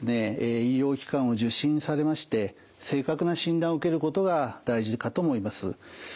医療機関を受診されまして正確な診断を受けることが大事かと思います。